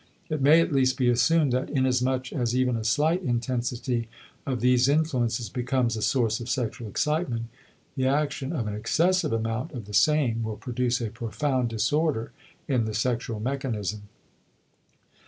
It may at least be assumed that inasmuch as even a slight intensity of these influences becomes a source of sexual excitement, the action of an excessive amount of the same will produce a profound disorder in the sexual mechanism.